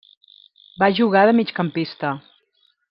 Va jugar de migcampista.